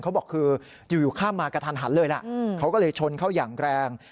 เขาบอกคืออยู่ข้ามมากระทันหันเลยล่ะเขาก็เลยชนเข้าอย่างแรง